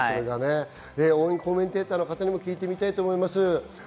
応援コメンテーターの方にも聞いていきましょう。